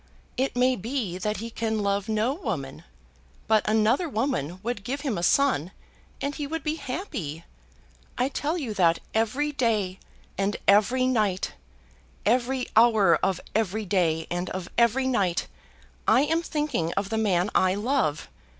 It may be that he can love no woman. But another woman would give him a son, and he would be happy. I tell you that every day and every night, every hour of every day and of every night, I am thinking of the man I love.